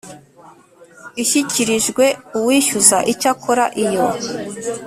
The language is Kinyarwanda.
ishyikirijwe uwishyurwa Icyakora iyo